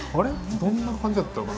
どんな感じやったかな？